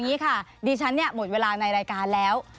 ทีนี้ดีฉันหมดเวลาในรายการแล้ว